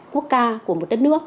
quốc ca của một đất nước